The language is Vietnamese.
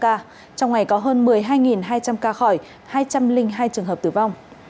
trong ngày có hơn một mươi hai hai trăm linh ca khỏi hai trăm linh hai trường hợp tử vong